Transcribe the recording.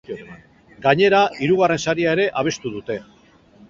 Gainera, hirugarren saria ere abestu dute.